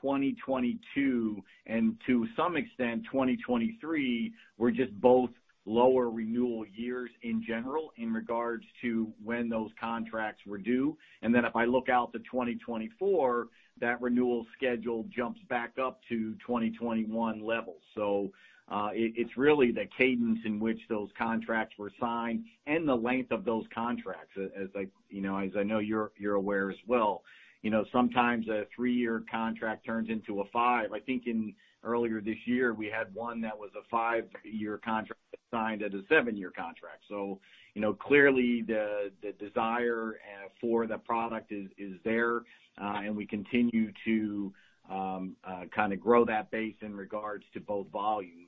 2022 and to some extent 2023 were just both lower renewal years in general in regards to when those contracts were due. If I look out to 2024, that renewal schedule jumps back up to 2021 levels. It's really the cadence in which those contracts were signed and the length of those contracts. As you know, as I know you're aware as well. You know, sometimes a three-year contract turns into a five. I think earlier this year, we had one that was a five-year contract that signed as a seven-year contract. You know, clearly the desire for the product is there, and we continue to kind of grow that base in regards to both volume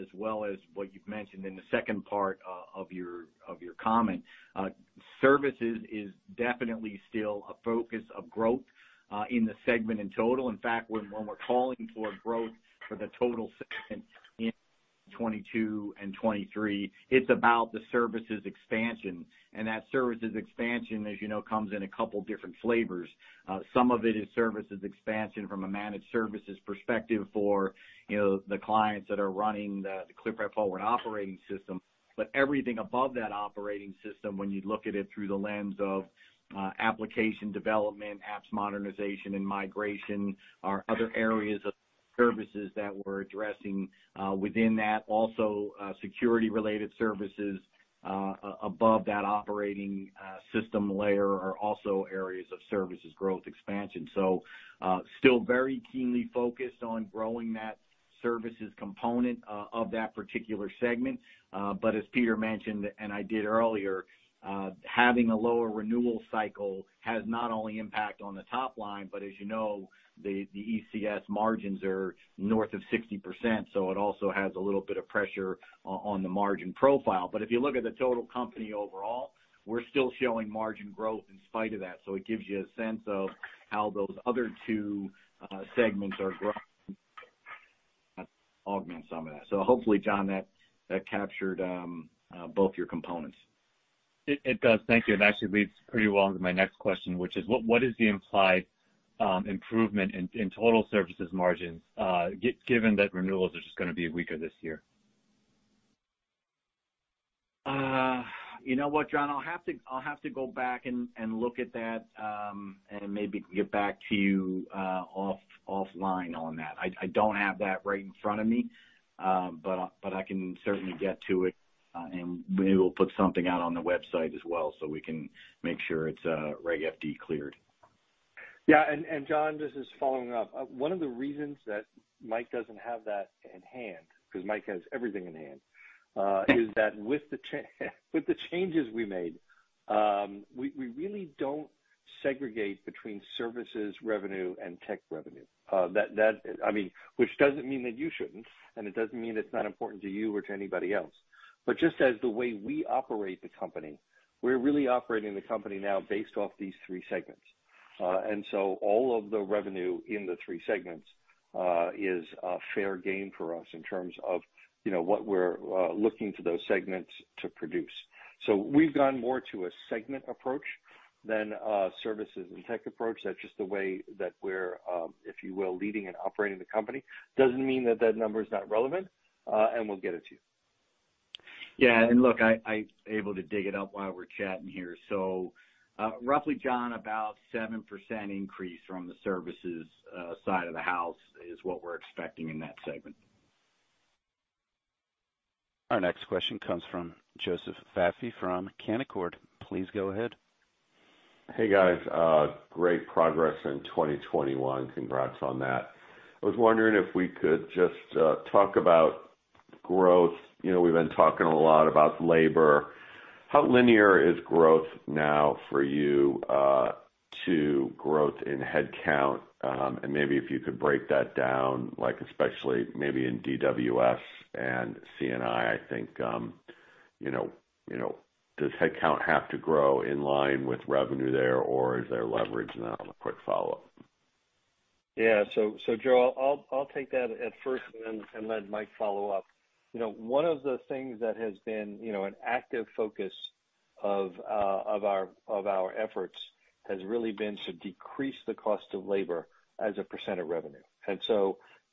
as well as what you've mentioned in the second part of your comment. Services is definitely still a focus of growth in the segment in total. In fact, when we're calling for growth for the total segment in 2022 and 2023, it's about the services expansion. That services expansion, as you know, comes in a couple different flavors. Some of it is services expansion from a managed services perspective for, you know, the clients that are running the ClearPath Forward operating system. Everything above that operating system, when you look at it through the lens of application development, apps modernization, and migration, are other areas of services that we're addressing within that. Security-related services above that operating system layer are also areas of services growth expansion. Still very keenly focused on growing that services component of that particular segment. As Peter mentioned, and I did earlier, having a lower renewal cycle has not only impact on the top line, but as you know, the ECS margins are north of 60%, so it also has a little bit of pressure on the margin profile. If you look at the total company overall, we're still showing margin growth in spite of that. It gives you a sense of how those other two segments are growing [inaudible] augments on that. So hopefully Jon, that captured both your components.
It does. Thank you. It actually leads pretty well into my next question, which is what is the implied improvement in total services margins, given that renewals are just gonna be weaker this year?
You know what, Jon? I'll have to go back and look at that and maybe get back to you offline on that. I don't have that right in front of me. But I can certainly get to it, and we will put something out on the website as well, so we can make sure it's Reg FD cleared.
Yeah. Jon, this is following up. One of the reasons that Mike doesn't have that in hand, 'cause Mike has everything in hand, is that with the changes we made, we really don't segregate between services revenue and tech revenue. I mean, which doesn't mean that you shouldn't, and it doesn't mean it's not important to you or to anybody else. Just as the way we operate the company, we're really operating the company now based off these three segments. All of the revenue in the three segments is fair game for us in terms of you know what we're looking for those segments to produce. We've gone more to a segment approach than a services and tech approach. That's just the way that we're, if you will, leading and operating the company. Doesn't mean that number is not relevant, and we'll get it to you.
Yeah. Look, I was able to dig it up while we're chatting here. Roughly, Jon, about 7% increase from the services side of the house is what we're expecting in that segment.
Our next question comes from Joseph Vafi from Canaccord. Please go ahead.
Hey, guys. Great progress in 2021. Congrats on that. I was wondering if we could just talk about growth. You know, we've been talking a lot about labor. How linear is growth now for you to growth in headcount? And maybe if you could break that down, like especially maybe in DWS and C&I think, you know, you know. Does headcount have to grow in line with revenue there, or is there leverage? I'll have a quick follow-up.
Yeah. Joe, I'll take that first and then let Mike follow up. You know, one of the things that has been you know an active focus of our efforts has really been to decrease the cost of labor as a percent of revenue.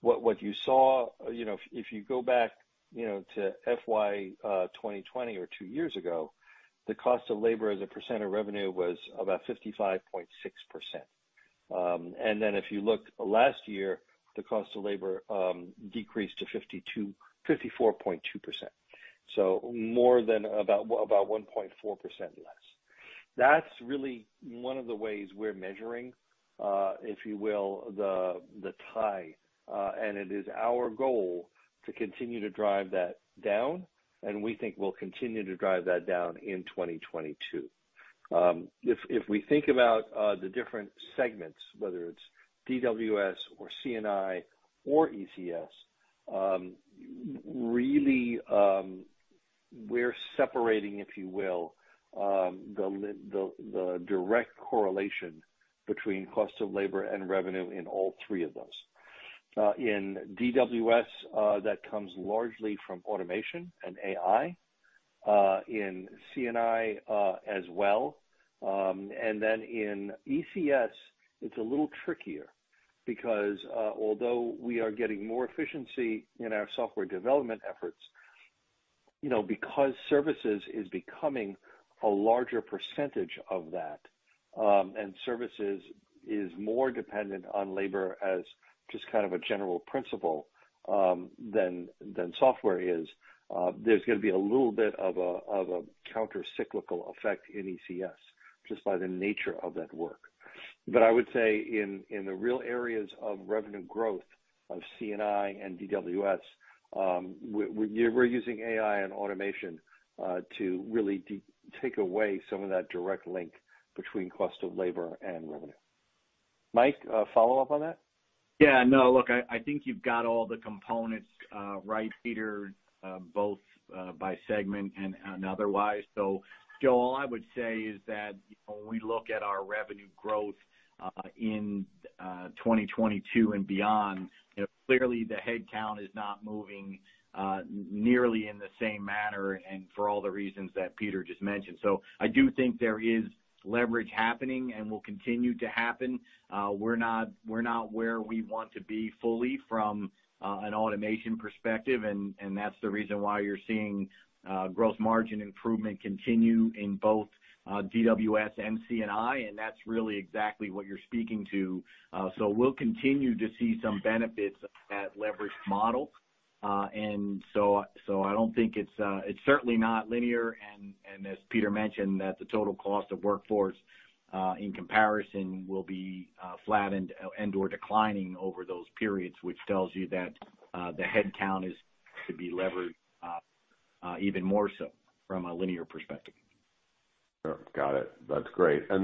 What you saw you know if you go back you know to FY 2020 or two years ago, the cost of labor as a percent of revenue was about 55.6%. And then if you look last year, the cost of labor decreased to 54.2%, so more than about 1.4% less. That's really one of the ways we're measuring if you will the tie. It is our goal to continue to drive that down, and we think we'll continue to drive that down in 2022. If we think about the different segments, whether it's DWS or C&I or ECS, really, we're separating, if you will, the direct correlation between cost of labor and revenue in all three of those. In DWS, that comes largely from automation and AI, in C&I, as well. In ECS, it's a little trickier because although we are getting more efficiency in our software development efforts, you know, because services is becoming a larger percentage of that, and services is more dependent on labor as just kind of a general principle, than software is, there's gonna be a little bit of a countercyclical effect in ECS just by the nature of that work. I would say in the real areas of revenue growth of C&I and DWS, we're using AI and automation to really take away some of that direct link between cost of labor and revenue. Mike, a follow-up on that?
Yeah, no. Look, I think you've got all the components right, Peter, both by segment and otherwise. Joe, all I would say is that when we look at our revenue growth in 2022 and beyond, you know, clearly the headcount is not moving nearly in the same manner and for all the reasons that Peter just mentioned. I do think there is leverage happening and will continue to happen. We're not where we want to be fully from an automation perspective, and that's the reason why you're seeing gross margin improvement continue in both DWS and C&I, and that's really exactly what you're speaking to. We'll continue to see some benefits of that leverage model. I don't think it's certainly not linear. As Peter mentioned, that the total cost of workforce in comparison will be flattened and/or declining over those periods, which tells you that the headcount is to be levered even more so from a linear perspective.
Sure. Got it. That's great. Are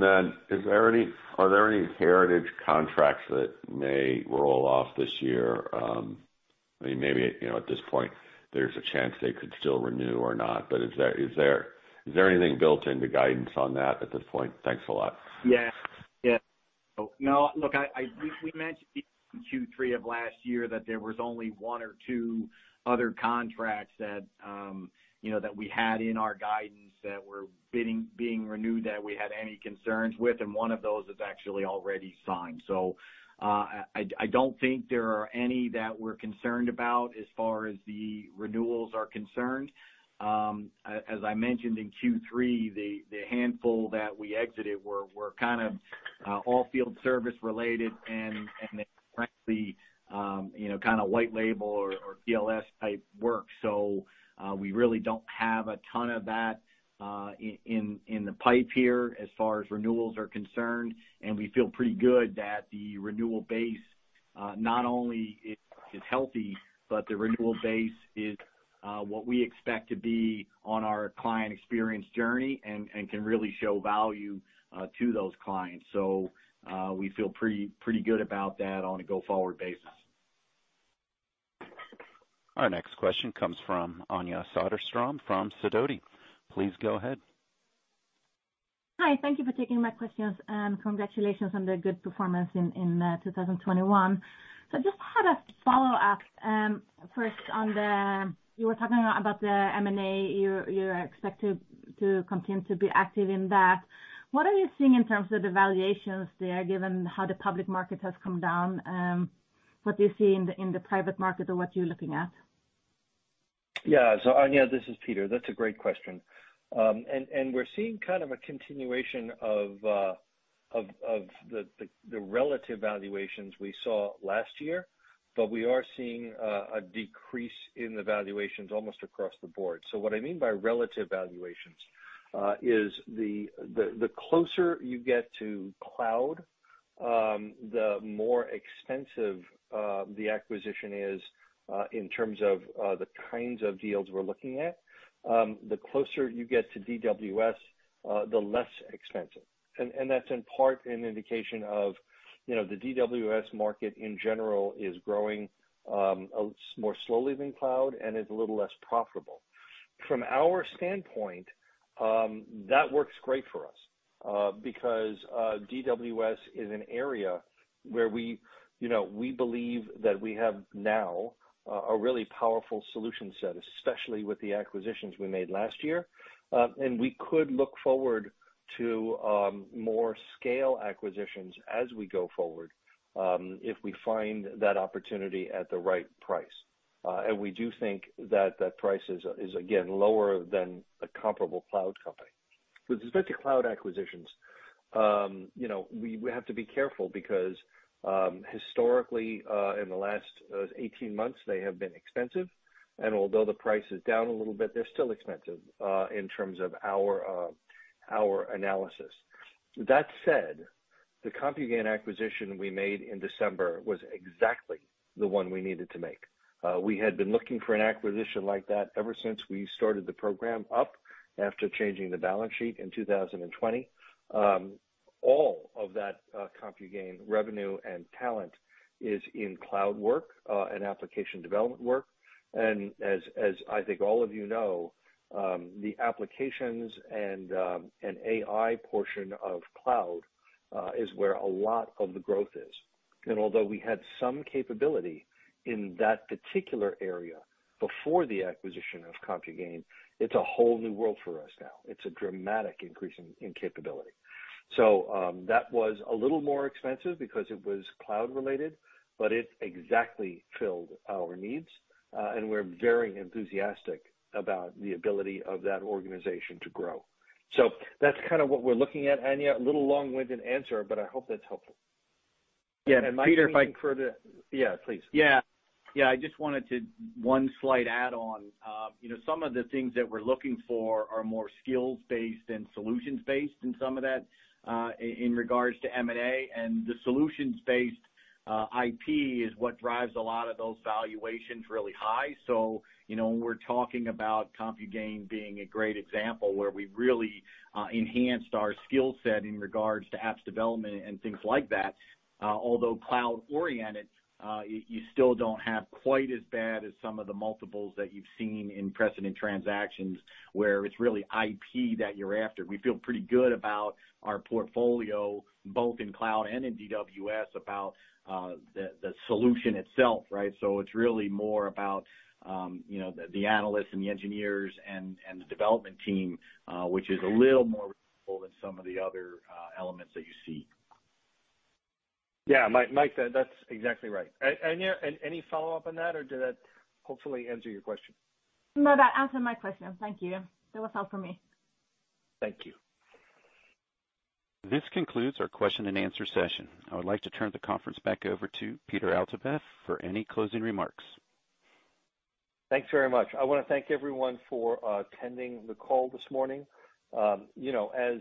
there any heritage contracts that may roll off this year? Maybe, you know, at this point, there's a chance they could still renew or not. Is there anything built into guidance on that at this point? Thanks a lot.
No, look, we mentioned in Q3 of last year that there was only one or two other contracts that, you know, that we had in our guidance that were being renewed, that we had any concerns with, and one of those is actually already signed. I don't think there are any that we're concerned about as far as the renewals are concerned. As I mentioned in Q3, the handful that we exited were kind of all field service related and they frankly, you know, kind of white label or PLS type work. We really don't have a ton of that in the pipe here as far as renewals are concerned, and we feel pretty good that the renewal base not only is healthy, but the renewal base is what we expect to be on our client experience journey and can really show value to those clients. We feel pretty good about that on a go-forward basis.
Our next question comes from Anja Soderstrom from Sidoti. Please go ahead.
Hi, thank you for taking my questions, and congratulations on the good performance in 2021. I just had a follow-up, first on the M&A. You were talking about the M&A. You're expected to continue to be active in that. What are you seeing in terms of the valuations there, given how the public market has come down? What do you see in the private market or what you're looking at?
Yeah. Anja, this is Peter. That's a great question. We're seeing kind of a continuation of the relative valuations we saw last year, but we are seeing a decrease in the valuations almost across the board. What I mean by relative valuations is the closer you get to cloud, the more expensive the acquisition is in terms of the kinds of deals we're looking at. The closer you get to DWS, the less expensive. That's in part an indication of, you know, the DWS market in general is growing more slowly than cloud and is a little less profitable. From our standpoint, that works great for us, because, DWS is an area where we, you know, we believe that we have now, a really powerful solution set, especially with the acquisitions we made last year. We could look forward to, more scale acquisitions as we go forward, if we find that opportunity at the right price. We do think that price is again, lower than a comparable cloud company. With respect to cloud acquisitions, you know, we have to be careful because, historically, in the last, 18 months, they have been expensive. Although the price is down a little bit, they're still expensive, in terms of our analysis. That said, the CompuGain acquisition we made in December was exactly the one we needed to make. We had been looking for an acquisition like that ever since we started the program up. After changing the balance sheet in 2020, all of that CompuGain revenue and talent is in cloud work and application development work. As I think all of you know, the applications and AI portion of cloud is where a lot of the growth is. Although we had some capability in that particular area before the acquisition of CompuGain, it's a whole new world for us now. It's a dramatic increase in capability. That was a little more expensive because it was cloud related, but it exactly filled our needs and we're very enthusiastic about the ability of that organization to grow. That's kind of what we're looking at, Anja. A little long-winded answer, but I hope that's helpful.
Yeah, Peter, if I- Yeah, please. Yeah. I just wanted to add one slight add-on. You know, some of the things that we're looking for are more skills-based and solutions-based in some of that, in regards to M&A. The solutions-based IP is what drives a lot of those valuations really high. You know, when we're talking about CompuGain being a great example where we've really enhanced our skill set in regards to apps development and things like that, although cloud oriented, you still don't have quite as high as some of the multiples that you've seen in precedent transactions where it's really IP that you're after. We feel pretty good about our portfolio, both in cloud and in DWS, about the solution itself, right? It's really more about, you know, the analysts and the engineers and the development team, which is a little more than some of the other elements that you see.
Yeah, Mike, that's exactly right. Anja, any follow-up on that, or did that hopefully answer your question?
No, that answered my question. Thank you. That was all for me.
Thank you.
This concludes our Q&A session. I would like to turn the conference back over to Peter Altabef for any closing remarks.
Thanks very much. I wanna thank everyone for attending the call this morning. You know, as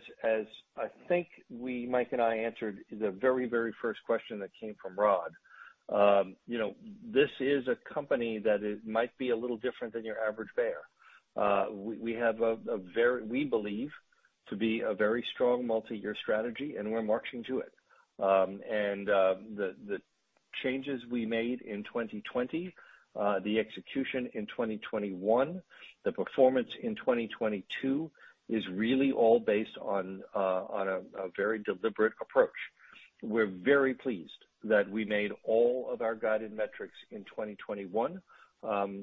I think we, Mike and I answered the very first question that came from Rod. You know, this is a company that might be a little different than your average bear. We have a very, we believe to be a very strong multi-year strategy, and we're marching to it. The changes we made in 2020, the execution in 2021, the performance in 2022 is really all based on a very deliberate approach. We're very pleased that we made all of our guided metrics in 2021.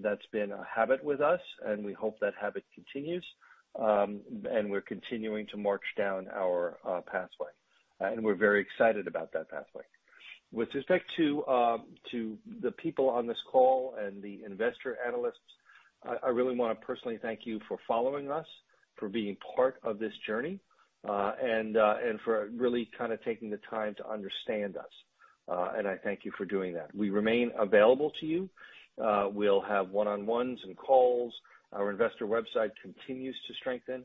That's been a habit with us and we hope that habit continues. We're continuing to march down our pathway, and we're very excited about that pathway. With respect to the people on this call and the investor analysts, I really wanna personally thank you for following us, for being part of this journey, and for really kind of taking the time to understand us. I thank you for doing that. We remain available to you. We'll have one-on-ones and calls. Our investor website continues to strengthen.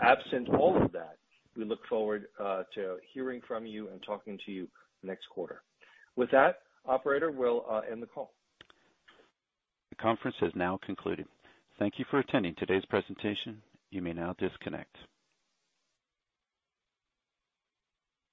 Absent all of that, we look forward to hearing from you and talking to you next quarter. With that, operator, we'll end the call.
The conference has now concluded. Thank you for attending today's presentation. You may now disconnect.